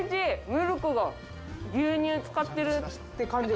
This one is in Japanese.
ミルクが牛乳使ってる。